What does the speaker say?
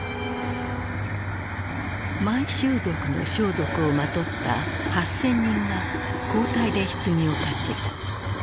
満州族の装束をまとった８，０００人が交代でひつぎを担いだ。